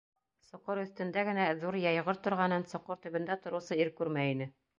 Соҡор өҫтөндә генә ҙур йәйғор торғанын соҡор төбөндә тороусы ир күрмәй ине.